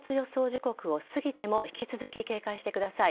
時刻を過ぎても引き続き警戒してください。